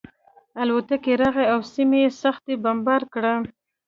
الوتکې راغلې او سیمه یې سخته بمبار کړه